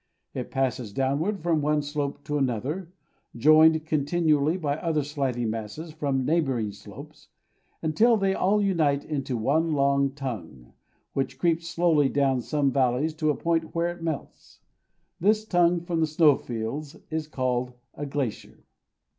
It passes downward from one slope to another, joined continually by other sliding masses from neighbouring slopes, until they all unite into one long tongue, which creeps slowly down some valley to a point where it melts. This tongue from the snow fields is called a glacier.